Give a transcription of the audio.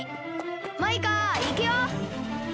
マイカいくよ！